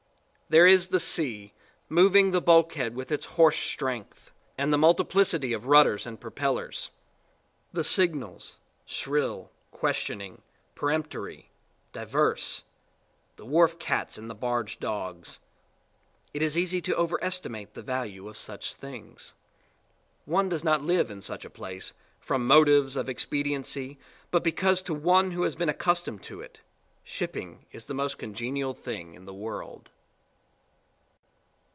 There is the sea, moving the bulk head with its horse strength; and the multiplicity of rudders and propellers; the signals, shrill, questioning, peremptory, diverse; the wharf cats and the barge dogs it is easy to overestimate the value of such things. One does not live in such a place from motives of expediency but because to one who has been accustomed to it, shipping is the most congenial thing in the world.